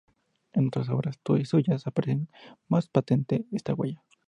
En otras obras suyas aparece más patente esta huella.